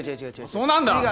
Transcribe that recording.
そうなんだ！